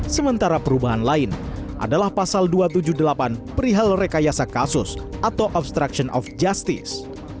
sementara perubahan lain adalah pasal dua ratus tujuh puluh delapan perihal rekayasa kasus atau obstruction of justice